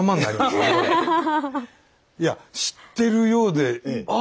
いや知ってるようであ！